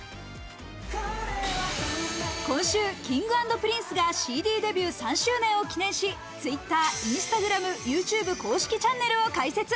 今週、Ｋｉｎｇ＆ＰｒｉｎｃｅがＣＤデビュー３周年を記念し、Ｔｗｉｔｔｅｒ、インスタグラム、ＹｏｕＴｕｂｅ公式チャンネルを開設。